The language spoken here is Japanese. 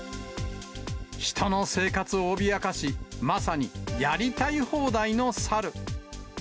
人の生活を脅かし、まさにやりたい放題のサル。